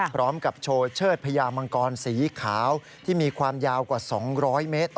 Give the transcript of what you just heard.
พร้อมกับโชว์เชิดพญามังกรสีขาวที่มีความยาวกว่า๒๐๐เมตร